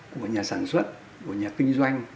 của nhà sản xuất của nhà kinh doanh